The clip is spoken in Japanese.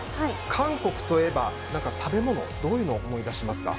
韓国といえば食べ物どういうものを思い出しますか？